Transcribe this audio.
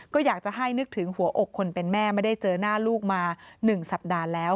ก็อยากจะให้นึกถึงหัวอกคนเป็นแม่ไม่ได้เจอหน้าลูกมา๑สัปดาห์แล้ว